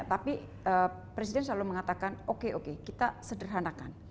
tapi presiden selalu mengatakan oke oke kita sederhanakan